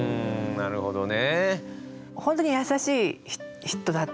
なるほどね。